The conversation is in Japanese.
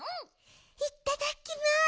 いただきま。